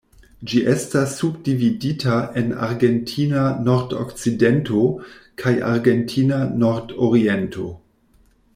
Ĝi estas subdividita en Argentina Nordokcidento kaj Argentina Nordoriento.